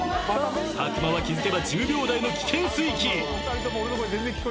佐久間は気付けば１０秒台の危険水域。